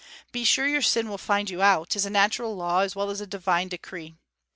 "Be sure your sin will find you out," is a natural law as well as a divine decree.